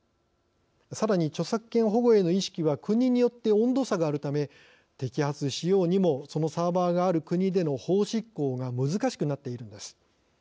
さらに、著作権保護への意識は国によって温度差があるため摘発しようにもそのサーバーがある国での法執行が難しくなっているのです。